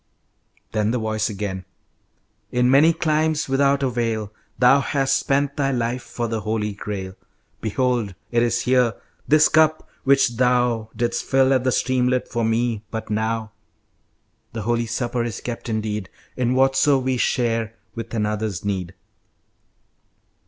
Then the voice again: "In many climes without avail Thou hast spent thy life for the Holy Grail. Behold it is here this cup, which thou Didst fill at the streamlet for me but now. The holy supper is kept indeed In whatso we share with another's need."